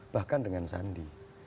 bahkan dengan sandi